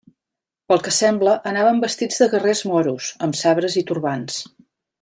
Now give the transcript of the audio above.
Pel que sembla, anaven vestits de guerrers moros, amb sabres i turbants.